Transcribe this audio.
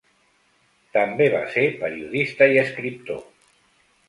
També va ser periodista i escriptor.